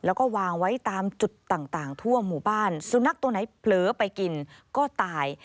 แล้วก็วางไว้ตามจุดต่างทั่วหมู่บ้านสุนัขตัวไหนเผลอไปกินก็ตาย